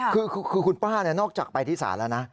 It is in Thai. คือคุณป้านี่นอกจากไปที่สารนะ